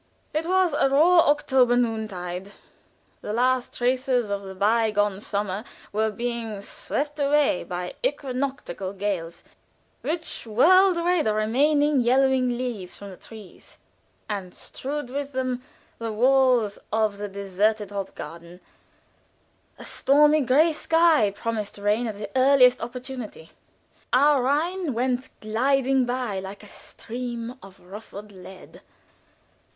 It was a raw October noontide. The last traces of the by gone summer were being swept away by equinoctial gales, which whirled the remaining yellowing leaves from the trees, and strewed with them the walks of the deserted Hofgarten; a stormy gray sky promised rain at the earliest opportunity; our Rhine went gliding by like a stream of ruffled lead.